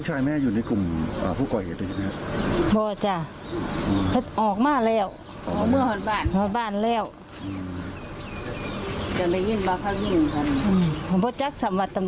อ้าวยังไงไม่รู้ละค่ะก็ไปกันทั้งแก๊ง